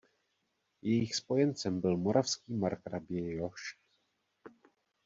Jejich spojencem byl moravský markrabě Jošt.